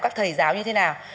các thầy giáo như thế nào